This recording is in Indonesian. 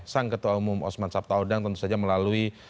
sang ketua umum osman sabtaodang tentu saja melalui